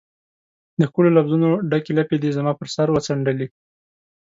د ښکلو لفظونو ډکي لپې دي زما پر سر وڅنډلي